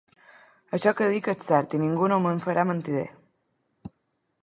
Això que dic és cert, i ningú no me'n farà mentider.